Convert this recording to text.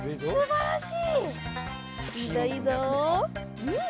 すばらしいぞ！